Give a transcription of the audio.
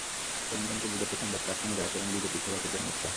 ট্যান্ডনকে বোঝাতে সোমবার তাঁর সঙ্গে দেখা করেন বিজেপি সভাপতি অমিত শাহ।